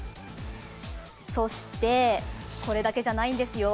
そして、これだけじゃないんですよ